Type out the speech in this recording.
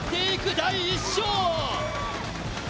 第１章。